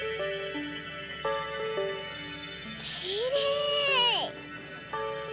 きれい！